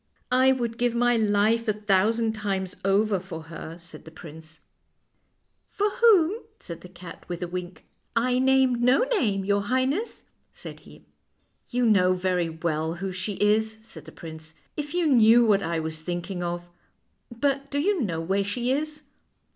" I would give my life a thousand times over for her," said the prince. THE LITTLE WHITE CAT 131 " For whom? " said the cat, with a wink. " I named no name, your highness," said he. " You know very well who she is," said the prince, "if you knew what I was thinking of; but do you know where she is?